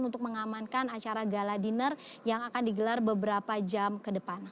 untuk mengamankan acara gala dinner yang akan digelar beberapa jam ke depan